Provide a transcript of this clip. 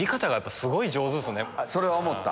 それは思った。